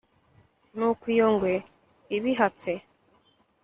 nuko iyo ngwe ibihatse